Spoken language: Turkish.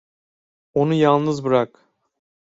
Onu yalnız bırak.